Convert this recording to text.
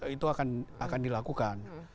itu akan dilakukan